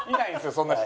そんな人。